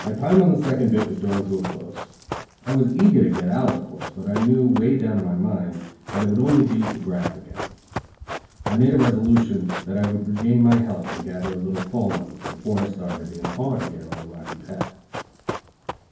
_ My time on the second bit was drawing to a close. I was eager to get out, of course, but I knew way down in my mind, that it would be only to graft again. I made a resolution that I would regain my health and gather a little fall money before I started in hard again on the Rocky Path.